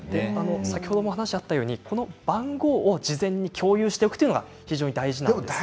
先ほども話があったようにこの番号を事前に共有しておくということが非常に大事です。